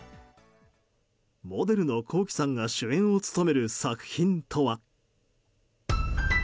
モデルのＫｏｋｉ，さんが主演を務める作品とは。